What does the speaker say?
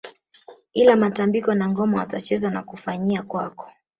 Ila matambiko na ngoma watacheza na kufanyia kwako